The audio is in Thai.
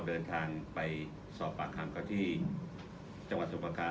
เดินทางไปสอบปากคำเขาที่จังหวัดสุประการ